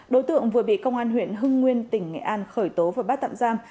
đối tượng vừa bị công an huyện hưng nguyên tỉnh nghệ an khởi tố và bắt tạm giam